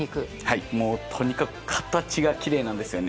はい、とにかく形がきれいなんです。